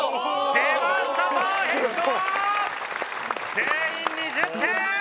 全員２０点！